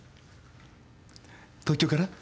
東京から？